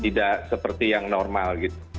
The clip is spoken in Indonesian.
tidak seperti yang normal gitu